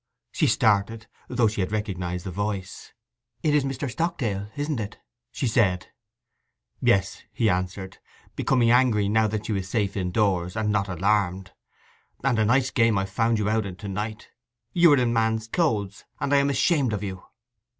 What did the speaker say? She started, though she had recognized the voice. 'It is Mr. Stockdale, isn't it?' she said. 'Yes,' he answered, becoming angry now that she was safe indoors, and not alarmed. 'And a nice game I've found you out in to night. You are in man's clothes, and I am ashamed of you!